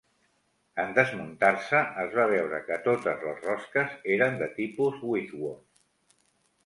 En desmuntar-se, es va veure que totes les rosques eren de tipus Whitworth.